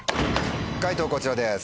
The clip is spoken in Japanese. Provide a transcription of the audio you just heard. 解答こちらです。